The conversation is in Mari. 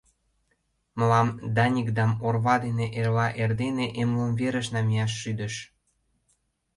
Мылам Даникдам орва дене эрла эрдене эмлымверыш намияш шӱдыш.